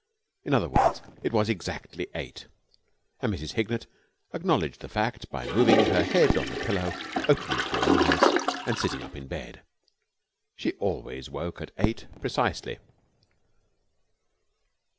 In other words, it was exactly eight; and Mrs. Hignett acknowledged the fact by moving her head on the pillow, opening her eyes, and sitting up in bed. She always woke at eight precisely.